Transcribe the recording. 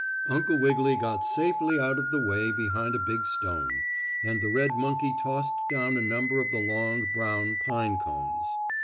Uncle Wiggily got safely out of the way behind a big stone, and the red monkey tossed down a number of the long, brown pine cones.